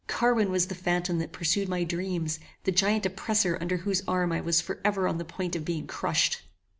Carwin was the phantom that pursued my dreams, the giant oppressor under whose arm I was for ever on the point of being crushed.